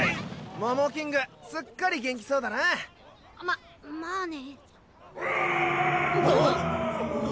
モモキングすっかり元気そうだな。ままあね。